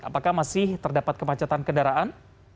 apakah masih terdapat kemacetan kendaraan